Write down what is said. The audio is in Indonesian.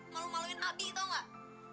malu maluin abi tau gak